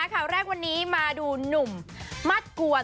ข่าวแรกวันนี้มาดูหนุ่มมัดกวน